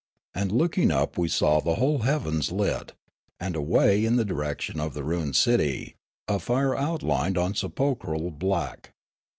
And looking up we saw the whole heavens lit, and away in the direction of the ruined city a fire outlined on sepulchral black.